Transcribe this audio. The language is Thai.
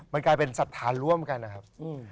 มันกลายเป็นศรัทธาร่วมกันนะครับ